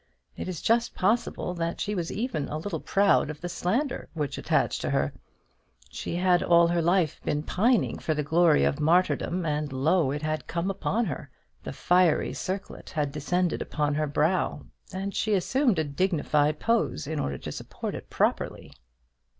It is just possible that she was even a little proud of the slander which attached to her. She had all her life been pining for the glory of martyrdom, and lo, it had come upon her. The fiery circlet had descended upon her brow; and she assumed a dignified pose in order to support it properly.